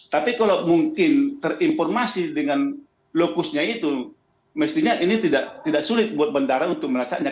tapi kalau mungkin terinformasi dengan lokusnya itu mestinya ini tidak sulit buat bandara untuk melacaknya